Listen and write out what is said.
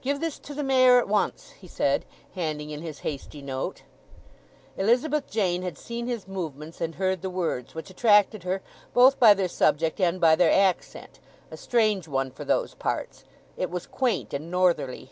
"Give this to the Mayor at once," he said, handing in his hasty note. Elizabeth Jane had seen his movements and heard the words, which attracted her both by their subject and by their accent—a strange one for those parts. It was quaint and northerly.